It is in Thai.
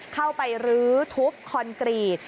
เข้าไปรื้อทุบคอนกรีต